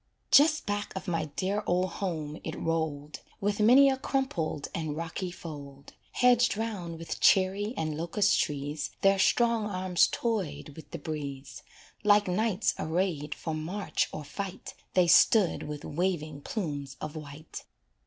Just back of my dear old home it rolled, With many a crumpled and rocky fold, Hedged 'round with cherry and locust trees Their strong arms toyed with the breeze Like knights arrayed for march or fight They stood with waving plumes of white.